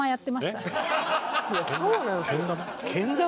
いやそうなんですよ。けん玉？